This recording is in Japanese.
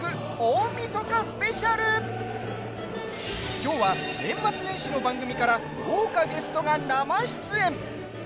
きょうは、年末年始の番組から豪華ゲストが生出演。